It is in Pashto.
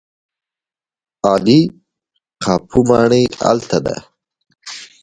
عالي قاپو ماڼۍ هلته ده.